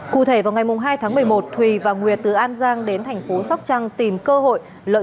cụ thể vào ngày hai tháng một mươi một thùy và nguyệt từ an giang đến thành phố sóc trăng tìm cơ hội lợi